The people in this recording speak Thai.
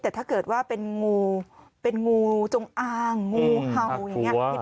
แต่ถ้าเกิดว่าเป็นงูเป็นงูจงอ้างงูเห่าอย่างนี้